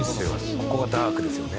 ここがダークですよね。